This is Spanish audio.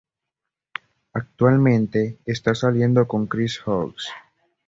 Actualmente esta saliendo con Chris Hughes.